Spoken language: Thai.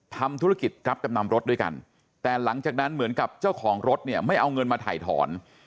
ทำธุรกิจรับจำนำรถด้วยกันแต่หลังจากนั้นเหมือนกับเจ้าของรถเนี่ยไม่เอาเงินมาถ่ายถอน